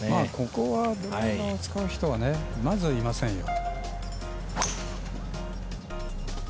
ここはドライバーを使う人はまずいませんよ